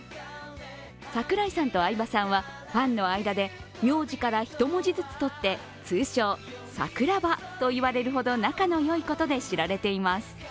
櫻井さんと相葉さんは、ファンの間で名字から一文字ずつとって通称・櫻葉と言われるほど仲の良いことで知られています。